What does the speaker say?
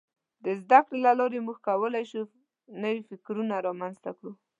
د زدهکړې له لارې موږ کولای شو نوي فکرونه رامنځته کړو.